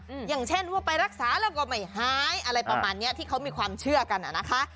อย่างเช่นว่าไปรักษาแล้วก็ไม่หายอะไรประมาณเนี้ยที่เขามีความเชื่อกันอ่ะนะคะ